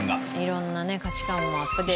色んなね価値観もアップデート。